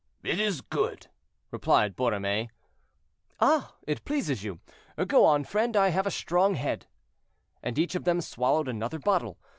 "It is so good," replied Borromée. "Ah! it pleases you. Go on, friend; I have a strong head." And each of them swallowed another bottle.